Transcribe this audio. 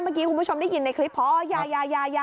เมื่อกี้คุณผู้ชมได้ยินในคลิปพอยายา